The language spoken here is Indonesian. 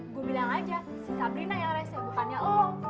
gue bilang aja si sabrina yang rese bukannya lo